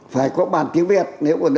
phải có bàn tiếng việt